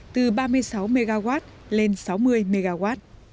từ ba mươi sáu mw lên sáu mươi mw